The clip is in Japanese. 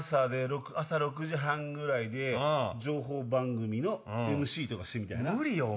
朝６時半ぐらいで情報番組のＭＣとかしてみたいな。